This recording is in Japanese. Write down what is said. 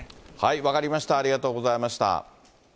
分かりました、ありがとうございました。